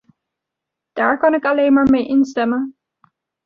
Daar kan ik alleen maar mee instemmen.